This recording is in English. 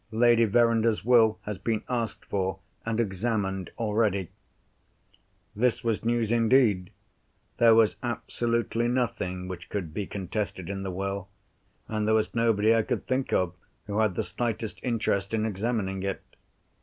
Lady Verinder's Will has been asked for, and examined, already!" This was news indeed! There was absolutely nothing which could be contested in the Will; and there was nobody I could think of who had the slightest interest in examining it.